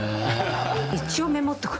一応メモっとく。